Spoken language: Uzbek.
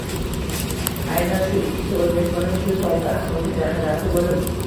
– aynan shu ikkisi O‘zbekistonning shu tobda asosiy zaxirasi bo‘lib